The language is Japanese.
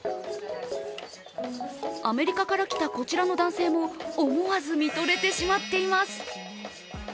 アメリカから来たこちらの男性も思わず見とれてしまっています。